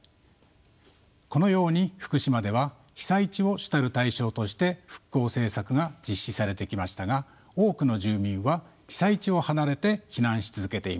このように福島では被災地を主たる対象として復興政策が実施されてきましたが多くの住民は被災地を離れて避難し続けています。